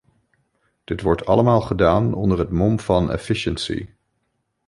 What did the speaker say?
Dit wordt allemaal gedaan onder het mom van efficiency.